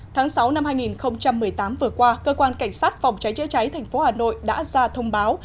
tháng sáu năm hai nghìn một mươi tám vừa qua cơ quan cảnh sát phòng cháy chữa cháy thành phố hà nội đã ra thông báo